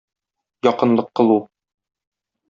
Якынлык кылу.